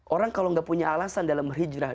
orang kalau gak punya alasan dalam hijrah